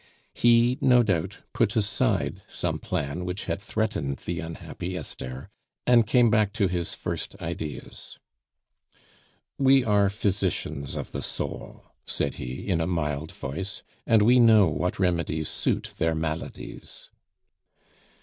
He, no doubt, put aside some plan which had threatened the unhappy Esther, and came back to his first ideas. "We are physicians of the soul," said he, in a mild voice, "and we know what remedies suit their maladies."